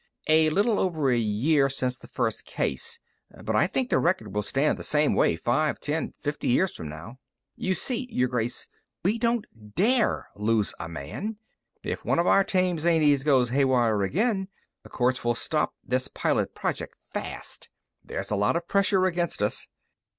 "A little over a year since the first case. But I think the record will stand the same way five, ten, fifty years from now. "You see, Your Grace, we don't dare lose a man. If one of our tame zanies goes haywire again, the courts will stop this pilot project fast. There's a lot of pressure against us.